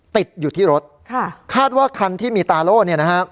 ติดอยู่ที่รถค่ะคาดว่าคันที่มีตาโล่เนี่ยนะฮะ